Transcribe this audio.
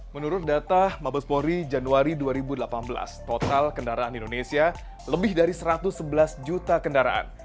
menurut data mabespori januari dua ribu delapan belas total kendaraan indonesia lebih dari satu ratus sebelas juta kendaraan